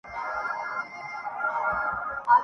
قوافی پر اعتراض کیا جا سکتا ہے۔